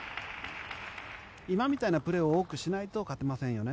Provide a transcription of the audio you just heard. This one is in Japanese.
今みたいなプレーを多くしないと勝てませんよね。